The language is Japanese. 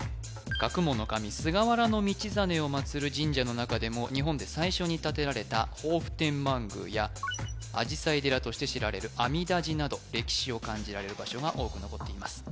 学問の神菅原道真を祀る神社の中でも日本で最初に建てられた防府天満宮やあじさい寺として知られる阿弥陀寺など歴史を感じられる場所が多く残っています